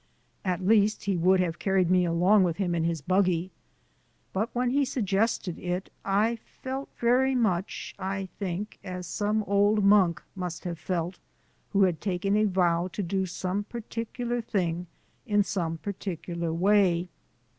At least he would have carried me along with him in his buggy; but when he suggested it I felt very much, I think, as some old monk must have who had taken a vow to do some particular thing in some particular way.